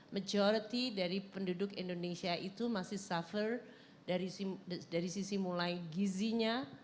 majority dari penduduk indonesia itu masih suffer dari sisi mulai gizinya